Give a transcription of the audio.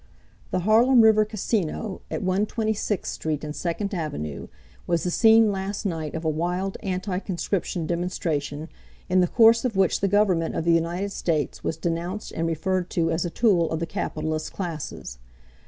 The Harlem River Casino, at 126th Street and Second Avenue, was the scene last night of a wild anti conscription demonstration, in the course of which the Government of the United States was denounced and referred to as a tool of the capitalist classes.